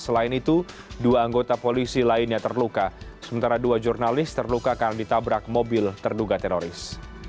selain itu dua anggota polisi lainnya terluka sementara dua jurnalis terluka karena ditabrak mobil terduga teroris